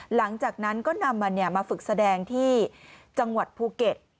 หลังจากนั้นก็นำมันมาฝึกแสดงที่จังหวัดภูเก็ต